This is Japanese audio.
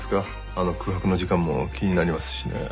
あの空白の時間も気になりますしね。